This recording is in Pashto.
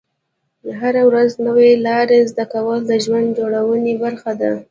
هره ورځ نوې لارې زده کول د ژوند جوړونې برخه ده.